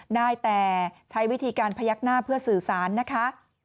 ได้แต่ใช้วิธีการพยักหน้าเพื่อสื่อสารนะคะ